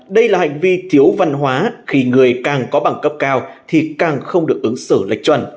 đây là hành vi thiếu văn hóa khi người càng có bằng cấp cao thì càng không được ứng xử lệch chuẩn